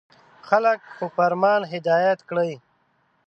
• خلک په فرمان هدایت کړئ.